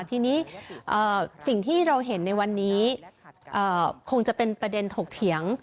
ทีนี้สิ่งที่เราเห็นในวันนี้คงจะเป็นประเด็นถกเถียง